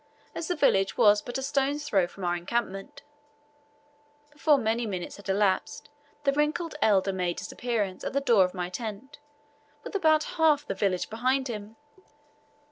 As the village was but a stone's throw from our encampment, before many minutes had elapsed the wrinkled elder made his appearance at the door of my tent with about half the village behind him.